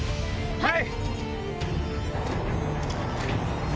はい！